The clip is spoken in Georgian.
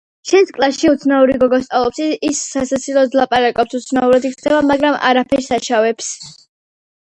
შენს კლასში უცნაური გოგო სწავლბს ის სასაცილოდ ლაპარაკობს უცნაურად იქცევა მაგრამ არაფერს აშავებს